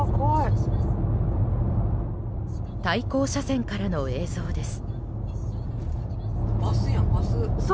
対向車線からの映像です。